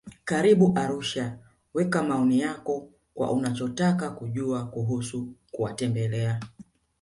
Karibu Arusha weka maoni yako kwa unachotaka kujua kuusu kuwatembelea